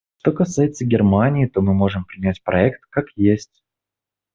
Что касается Германии, то мы можем принять проект как есть.